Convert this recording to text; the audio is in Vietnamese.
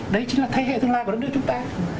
đấy chính là thế hệ tương lai của đất nước chúng ta